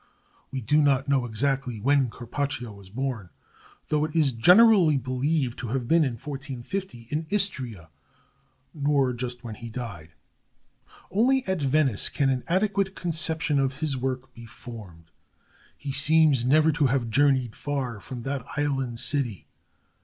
We do not know exactly when Carpaccio was born, though it is generally believed to have been in 1450, in Istria, nor just when he died. Only at Venice can an adequate conception of his work be formed. He seems never to have journeyed far from that island city.